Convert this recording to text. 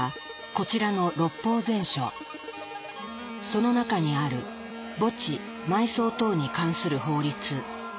その中にある「墓地埋葬等に関する法律」。